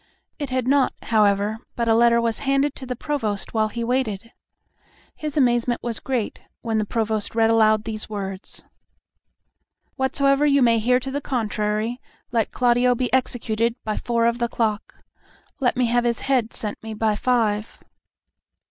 It had not, however, but a letter was banded to the Provost while he waited. His amazement was great when the Provost read aloud these words, "Whatsoever you may hear to the contrary, let Claudio be executed by four of the clock. Let me have his head sent me by five."